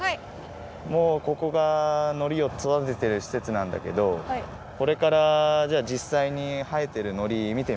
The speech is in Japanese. もうここがのりを育ててるしせつなんだけどこれからじゃじっさいにはえてるのりみてみよっか。